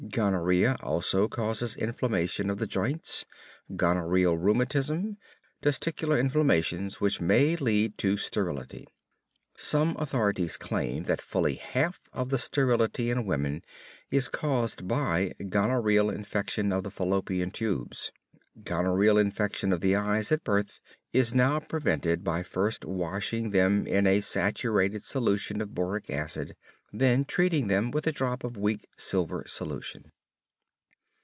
Gonorrhea also causes inflammation of the joints, gonorrheal rheumatism, testicular inflammations which may lead to sterility. Some authorities claim that fully half the sterility in women is caused by gonorrheal infection of the Fallopian tubes. Gonorrheal infection of the eyes at birth is now prevented by first washing them in a saturated solution of boric acid, then treating them with a drop of weak silver solution.